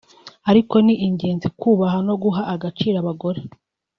ariko ni ingenzi kubaha no guha agaciro abagore